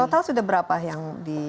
total sudah berapa yang